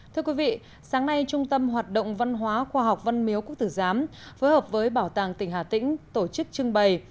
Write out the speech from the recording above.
thưa quý vị sáng nay trung tâm hoạt động văn hóa khoa học văn miếu quốc tử giám phối hợp với bảo tàng tỉnh hà tĩnh tổ chức trưng bày